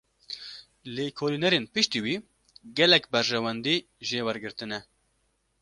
Lêkolînerên piştî wî, gelek berjewendî jê wergirtine